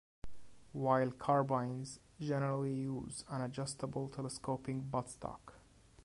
While carbines generally use an adjustable telescoping buttstock.